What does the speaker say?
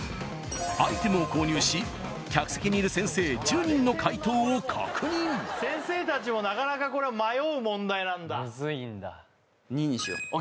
アイテムを購入し客席にいる先生１０人の解答を確認先生たちもなかなかこれは迷う問題なんだ２にしようＯＫ